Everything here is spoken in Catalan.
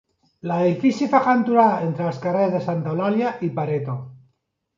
L'edifici fa cantonada entre els carrers de Santa Eulàlia i Pareto.